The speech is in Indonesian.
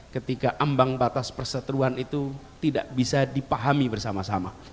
ketika ambang batas perseteruan itu tidak bisa dipahami bersama sama